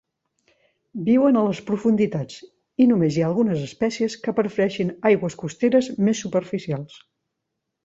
Viuen a les profunditats i només hi ha algunes espècies que prefereixin aigües costeres més superficials.